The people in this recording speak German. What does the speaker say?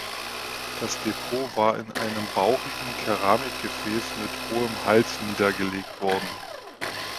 Das Depot war in einem bauchigen Keramikgefäß mit hohem Hals niedergelegt worden.